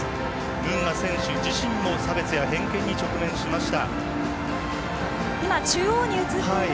ムンガ選手自身も差別や偏見に直面しました。